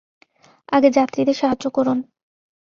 আগে যাত্রীদের সাহায্য করুন।